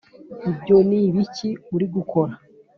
ibyo ni ibiki uri gukora? –